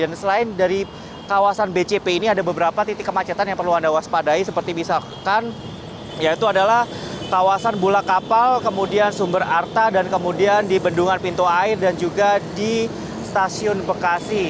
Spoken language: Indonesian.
dan selain dari kawasan bcp ini ada beberapa titik kemacetan yang perlu anda waspadai seperti misalkan yaitu adalah kawasan bula kapal kemudian sumber arta dan kemudian di bendungan pintu air dan juga di stasiun bekasi